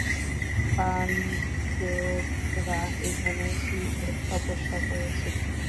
পাণ্ডবরা এখানে শিবের তপস্যা করেছিলেন।